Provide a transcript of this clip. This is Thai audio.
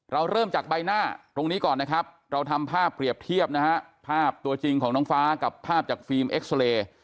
เริ่มจากใบหน้าตรงนี้ก่อนนะครับเราทำภาพเปรียบเทียบนะฮะภาพตัวจริงของน้องฟ้ากับภาพจากฟิล์มเอ็กซอเรย์